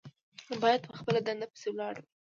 باید په خپله دنده پسې ولاړ وي.